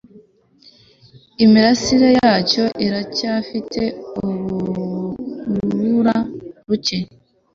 Imirasire yacyo iracyafite urubura ruke